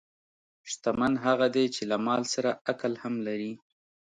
شتمن هغه دی چې له مال سره عقل هم لري.